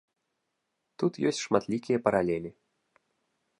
Тут ёсць шматлікія паралелі.